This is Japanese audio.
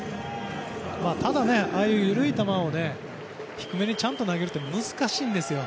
ただ、ああいう緩い球を低めにちゃんと投げるのは難しいんですよ。